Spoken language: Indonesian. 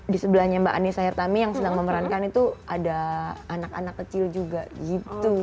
di sebelahnya mbak anissa hertami yang sedang memerankan itu ada anak anak kecil juga gitu